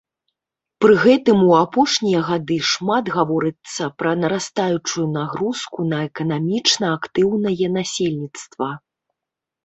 Пры гэтым у апошнія гады шмат гаворыцца пра нарастаючую нагрузку на эканамічна актыўнае насельніцтва.